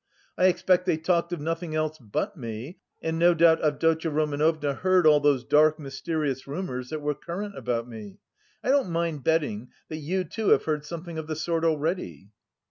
I expect they talked of nothing else but me and no doubt Avdotya Romanovna heard all those dark mysterious rumours that were current about me.... I don't mind betting that you too have heard something of the sort already?"